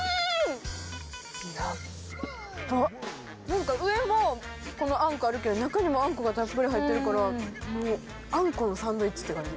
何か上もこのあんこあるけど中にもあんこがたっぷり入ってるからあんこのサンドイッチって感じ。